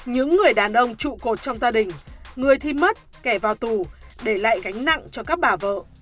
những người đàn ông trụ cột trong gia đình người thì mất kẻ vào tù để lại gánh nặng cho các bà vợ